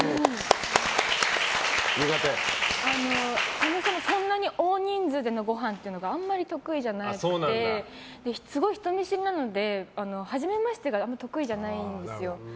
そもそも、そんなに大人数でのごはんっていうのがあんまり得意じゃなくてすごい人見知りなので初めましてがあんまり得意じゃないんですよ。